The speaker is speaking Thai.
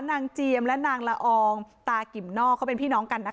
เจียมและนางละอองตากิ่มนอกเขาเป็นพี่น้องกันนะคะ